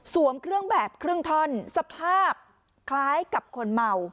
เครื่องแบบครึ่งท่อนสภาพคล้ายกับคนเมา